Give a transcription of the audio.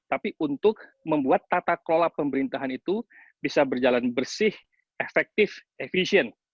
tapi untuk membuat tata kelola pemerintahan itu bisa berjalan bersih efektif efisien